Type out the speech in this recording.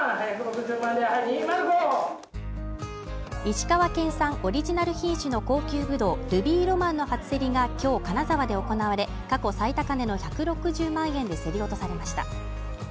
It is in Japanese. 石川県産オリジナル品種の高級ブドウルビーロマンの初競りが今日金沢で行われ、過去最高値の１６０万円で競り落とされました。